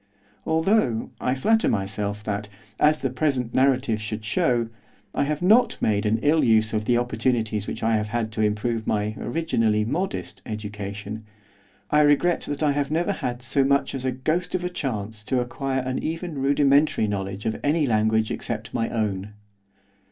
Although, I flatter myself that, as the present narrative should show I have not made an ill use of the opportunities which I have had to improve my, originally, modest education, I regret that I have never had so much as a ghost of a chance to acquire an even rudimentary knowledge of any language except my own.